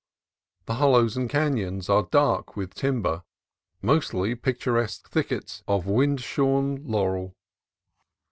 The hollows and canons are dark with timber, mostly pictur esque thickets of wind shorn laurel.